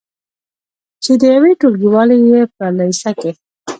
چې د یوې ټولګیوالې یې په لیسه کې